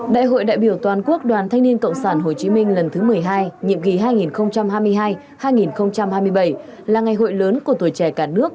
đại hội đại biểu toàn quốc đoàn thanh niên cộng sản hồ chí minh lần thứ một mươi hai nhiệm kỳ hai nghìn hai mươi hai hai nghìn hai mươi bảy là ngày hội lớn của tuổi trẻ cả nước